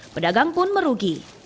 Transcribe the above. pedagang pun merugi